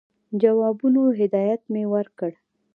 جوابونو هدایت مي ورکړ.